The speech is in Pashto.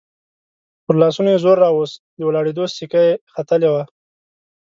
پر لاسونو يې زور راووست، د ولاړېدو سېکه يې ختلې وه.